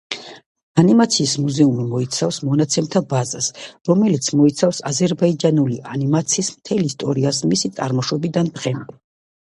ანიმაციის მუზეუმი მოიცავს მონაცემთა ბაზას, რომელიც მოიცავს აზერბაიჯანული ანიმაციის მთელ ისტორიას მისი წარმოშობიდან დღემდე.